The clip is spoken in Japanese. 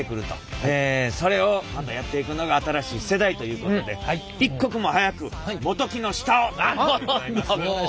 それをまたやっていくのが新しい世代ということで一刻も早く本木の下を！